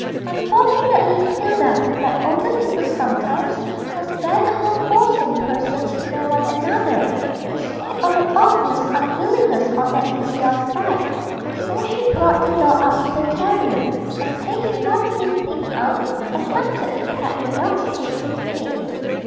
Unfortunately, Hilda, like older people sometimes, was bent upon forcing persons to know one another, in spite of an obvious unwillingness on at least one side, and so she brought the doll up to the terrier, and, taking one limp pink arm, attempted to pat the dog's head with it.